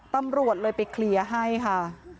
ตำรวจเลยไปเคลียร์ให้ค่ะ